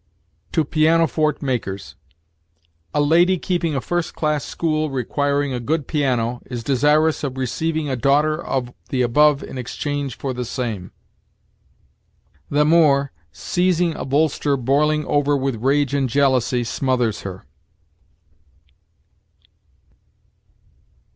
"TO PIANO FORTE MAKERS. A lady keeping a first class school requiring a good piano, is desirous of receiving a daughter of the above in exchange for the same." "The Moor, seizing a bolster boiling over with rage and jealousy, smothers her."